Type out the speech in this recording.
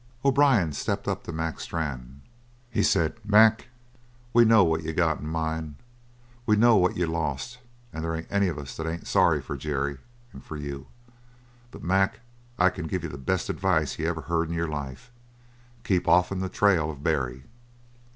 O'Brien stepped up to Mac Strann. He said: "Mac, we know what you got in your mind. We know what you've lost, and there ain't any of us that ain't sorry for Jerry and for you. But, Mac, I can give you the best advice you ever heard in your life: Keep off'n the trail of Barry!"